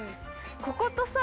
こことさ